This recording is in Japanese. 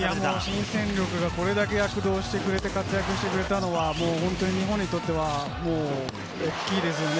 新戦力がこれだけ躍動してくれて活躍してくれたら、日本にとっては、大きいですよね。